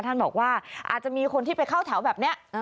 ท่านบอกว่าอาจจะมีคนที่ไปเข้าแถวแบบนี้